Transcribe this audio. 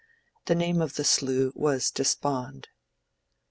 The name of the slough was Despond."